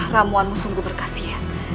ramuanmu sungguh berkasih